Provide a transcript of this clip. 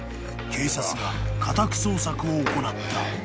［警察が家宅捜索を行った］